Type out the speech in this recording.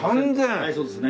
はいそうですね。